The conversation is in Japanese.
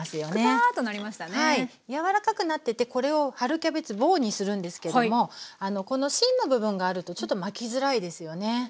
柔らかくなっててこれを春キャベツ棒にするんですけどもこの芯の部分があるとちょっと巻きづらいですよね。